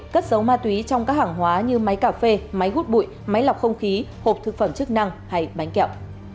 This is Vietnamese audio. cất dấu ma túy trong các hàng hóa như máy cà phê máy hút bụi máy lọc không khí hộp thực phẩm chức năng hay bánh kẹo